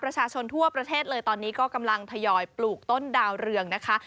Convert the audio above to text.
ประชาชนทั่วประเทศเลยตอนนี้ก็กำลังทยอยปลูกต้นดาวเรืองนะคะ